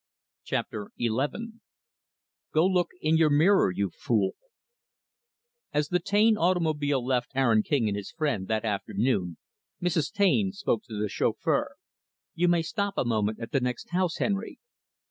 Chapter XI Go Look In Your Mirror, You Fool As the Taine automobile left Aaron King and his friend, that afternoon, Mrs. Taine spoke to the chauffeur; "You may stop a moment, at the next house, Henry."